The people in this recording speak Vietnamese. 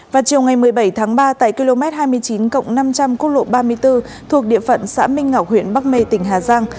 vào chiều ngày một mươi bảy tháng ba tại km hai mươi chín cộng năm trăm linh quốc lộ ba mươi bốn thuộc địa phận xã minh ngọc huyện bắc mê tỉnh hà giang